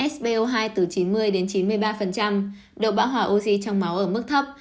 so hai từ chín mươi đến chín mươi ba độ bão hỏa oxy trong máu ở mức thấp